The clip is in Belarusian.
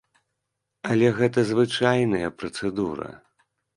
Але гэта звычайная працэдура.